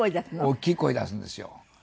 大きい声出すんですよ。